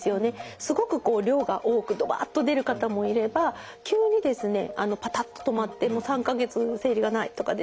すごく量が多くドバッと出る方もいれば急にですねパタッと止まって３か月生理がないとかですね